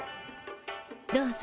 どうぞ。